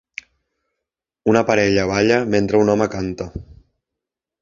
Una parella balla mentre un home canta